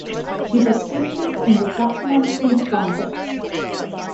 He was featured in the documentary Bomb It.